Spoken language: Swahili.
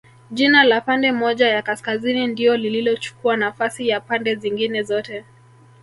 Jina la pande moja ya Kaskazini ndio lililochukua nafasi ya pande zingine zote